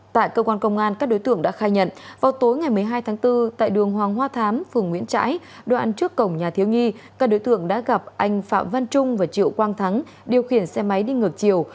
tại cơ quan công an các đối tượng đã khai nhận vào tối ngày một mươi hai tháng bốn tại đường hoàng hoa thám phường nguyễn trãi đoạn trước cổng nhà thiếu nhi các đối tượng đã gặp anh phạm văn trung và triệu quang thắng điều khiển xe máy đi ngược chiều